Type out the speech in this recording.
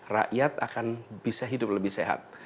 rakyat akan bisa hidup lebih sehat